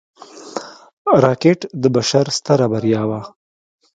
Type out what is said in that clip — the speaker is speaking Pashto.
راکټ د بشر ستره بریا وه